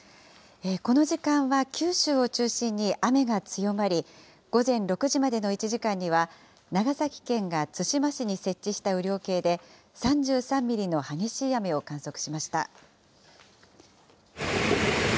この時間は九州を中心に雨が強まり、午前６時までの１時間には、長崎県が対馬市に設置した雨量計で３３ミリの激しい雨を観測しました。